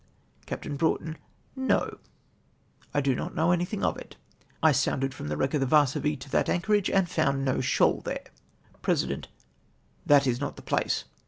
Capt. Broughton. —" No ! I do not know anything of it ; I sounded from the wreck of the Yarsovie to that anchorage, and found no shoal there 1 !" President. —" That is not the place!